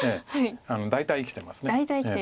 大体生きてます。